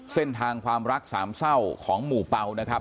เส้นทางความรักสามเศร้าของหมู่เปล่านะครับ